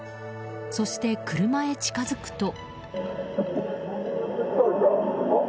そして、車へ近づくと。